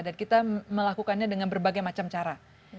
dan kita melakukannya dengan berbagai macam cara